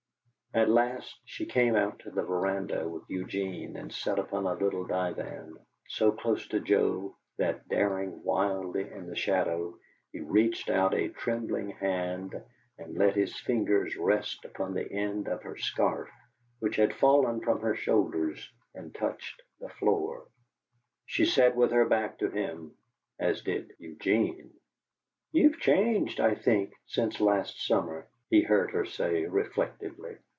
At last she came out to the veranda with Eugene and sat upon a little divan, so close to Joe that, daring wildly in the shadow, he reached out a trembling hand and let his fingers rest upon the end of her scarf, which had fallen from her shoulders and touched the floor. She sat with her back to him, as did Eugene. "You have changed, I think, since last summer," he heard her say, reflectively.